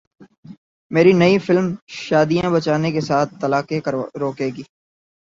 میری نئی فلم شادیاں بچانے کے ساتھ طلاقیں روکے گی